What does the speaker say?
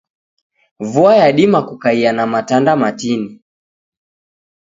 Vua yadima kukaia na matanda matini